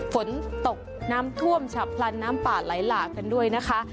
ฝนตกน้ำท่วมฉับพลันน้ำป่าไหลหลากกันด้วยนะคะ